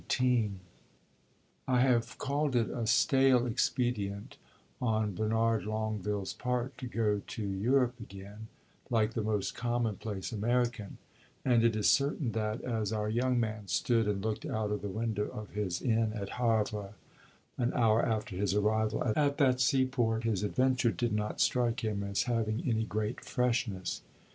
CHAPTER XIX I have called it a stale expedient on Bernard Longueville's part to "go to Europe" again, like the most commonplace American; and it is certain that, as our young man stood and looked out of the window of his inn at Havre, an hour after his arrival at that sea port, his adventure did not strike him as having any great freshness.